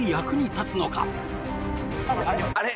あれ？